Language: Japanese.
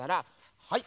はい。